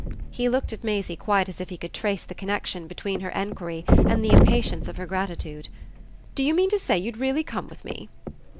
He looked at Maisie quite as if he could trace the connexion between her enquiry and the impatience of her gratitude. "Do you mean to say you'd really come with me?"